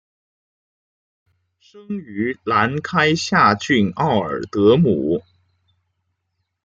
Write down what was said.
生于兰开夏郡奥尔德姆。